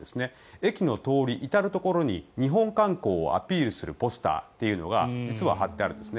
駅の通りの至るところに日本観光をアピールするポスターが実は貼ってあるんですね。